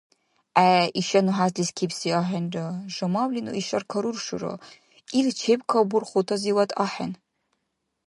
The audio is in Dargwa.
ГӀe, иша ну хӀязлис кибси axӀeнpa. Жамавли ну ишар каруршура. Ил чебкабурхутазивад axӀeн.